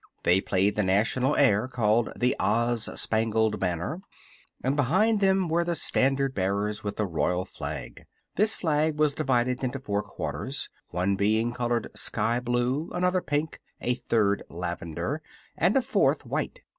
They played the National air called "The Oz Spangled Banner," and behind them were the standard bearers with the Royal flag. This flag was divided into four quarters, one being colored sky blue, another pink, a third lavender and a fourth white.